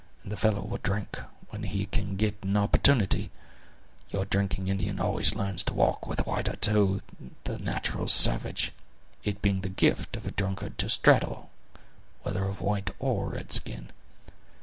And the fellow will drink when he can get an opportunity; your drinking Indian always learns to walk with a wider toe than the natural savage, it being the gift of a drunkard to straddle, whether of white or red skin.